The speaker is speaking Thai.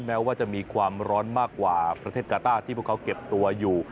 แม้ว่าจะมีความร้อนมากกว่าประเทศกาต้าที่พวกเขาเก็บตัวอยู่